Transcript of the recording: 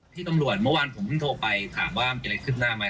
พี่ตำรวจเมื่อวานผมเพิ่งโทรไปถามว่ามีอะไรขึ้นหน้าไหม